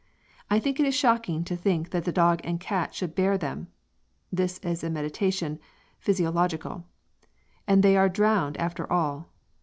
I think it is shocking to think that the dog and cat should bear them" (this is a meditation physiological) "and they are drowned after all.